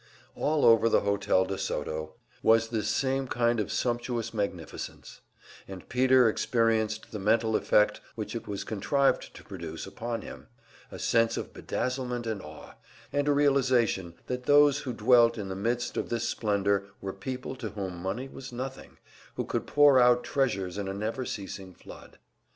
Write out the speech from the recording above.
All over the Hotel de Soto was this same kind of sumptuous magnificence; and Peter experienced the mental effect which it was contrived to produce upon him a sense of bedazzlement and awe, a realization that those who dwelt in the midst of this splendor were people to whom money was nothing, who could pour out treasures in a never ceasing flood.